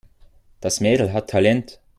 Das Mädel hat Talent.